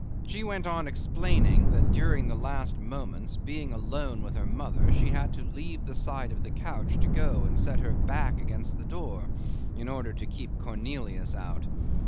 She went on explaining that, during the last moments, being alone with her mother, she had to leave the side of the couch to go and set her back against the door, in order to keep Cornelius out.